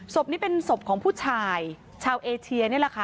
ศพนี้เป็นศพของผู้ชายชาวเอเชียนี่แหละค่ะ